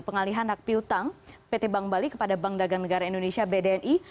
pengalihan hak piutang pt bank bali kepada bank dagang negara indonesia bdni